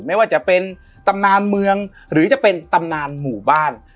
ไม่ว่าจะเป็นตำนานเมืองหรือจะเป็นตำนานหมู่บ้าน